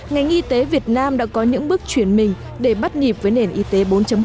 ngành y tế việt nam đã có những bước chuyển mình để bắt nhịp với nền y tế bốn